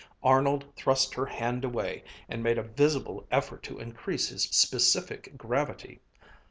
Arnold thrust her hand away and made a visible effort to increase his specific gravity.